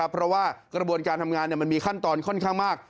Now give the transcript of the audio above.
เพราะว่ากระบวนการทำงานมันมีขั้นตอนค่อนข้างมาก